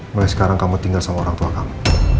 mulai sekarang kamu tinggal sama orang tua kamu